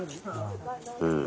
うん。